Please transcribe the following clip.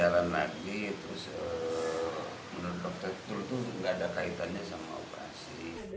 menurut dokter itu tidak ada kaitannya sama operasi